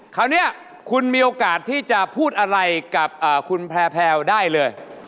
คราวนี้คุณมีโอกาสที่จะพูดอะไรกับคุณแพลวได้เลย